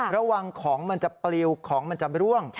ระวังของมันจะปลิวของมันจะร่วง